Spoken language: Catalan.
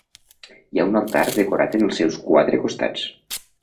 Hi ha un altar decorat en els seus quatre costats.